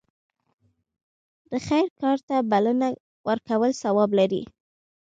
د خیر کار ته بلنه ورکول ثواب لري.